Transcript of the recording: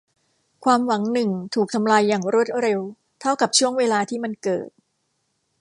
ความหวังหนึ่งถูกทำลายอย่างรวดเร็วเท่ากับช่วงเวลาที่มันเกิด